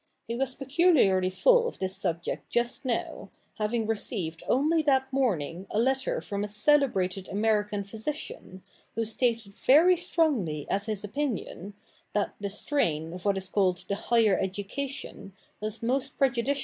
He was peculiarly full of this sJl^ect'" ^ist now, having received only that morning a letter '"^rom a celebrated American physician, who stalSd ^ V^' strongly as his opinion, that the strain of y^ ;""^ ailed the higher education was most prejudic.